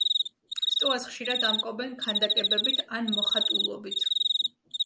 სტოას ხშირად ამკობენ ქანდაკებებით ან მოხატულობით.